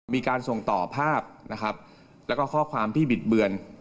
มีการส่งต่อภาพและข้อความที่บิดเบือน